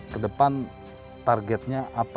kedepan targetnya apa